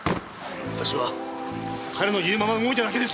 私は彼の言うまま動いただけです！